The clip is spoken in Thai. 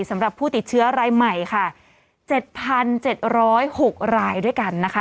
สำหรับผู้ติดเชื้อรายใหม่ค่ะ๗๗๐๖รายด้วยกันนะคะ